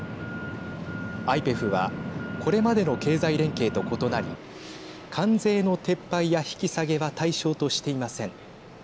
ＩＰＥＦはこれまでの経済連携と異なり関税の撤廃や引き下げは対象としていません。